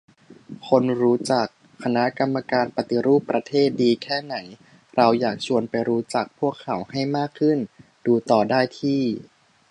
คุณรู้จัก คณะกรรมการปฏิรูปประเทศ ดีแค่ไหน ? เราอยากชวนไปรู้จักพวกเขาให้มากขึ้น ดูต่อได้ที่